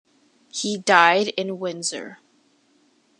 He died in Windsor.